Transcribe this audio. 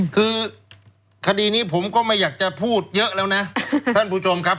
คือคดีนี้ผมก็ไม่อยากจะพูดเยอะแล้วนะท่านผู้ชมครับ